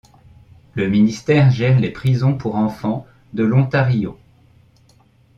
Le ministère gère les prisons pour enfants de l'Ontario.